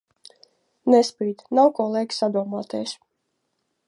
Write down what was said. Nespīd, nav ko lieki sadomāties.